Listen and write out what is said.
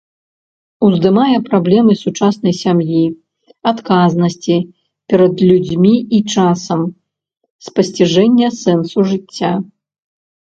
Уздымае праблемы сучаснай сям'і, адказнасці перад людзьмі і часам, спасціжэння сэнсу жыцця.